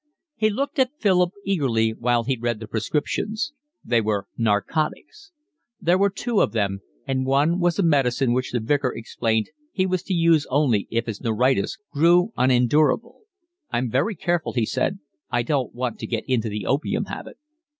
He looked at Philip eagerly while he read the prescriptions. They were narcotics. There were two of them, and one was a medicine which the Vicar explained he was to use only if his neuritis grew unendurable. "I'm very careful," he said. "I don't want to get into the opium habit."